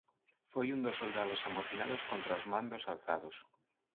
Foi un dos soldados amotinados contra os mandos alzados.